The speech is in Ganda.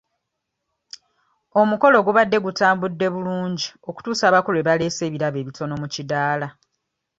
Omukolo gubadde gutambudde bulungi okutuusa abako lwe baleese ebirabo ebitono mu kiddaala.